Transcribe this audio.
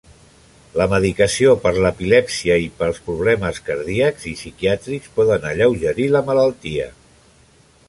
La medicació per l'epilèpsia i pels problemes cardíacs i psiquiàtrics poden alleugerir la malaltia.